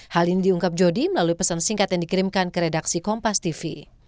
hal ini diungkap jody melalui pesan singkat yang dikirimkan ke redaksi kompas tv